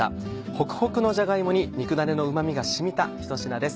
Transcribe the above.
ホクホクのじゃが芋に肉だねのうま味が染みたひと品です。